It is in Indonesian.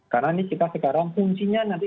karena ini kita sekarang kuncinya nanti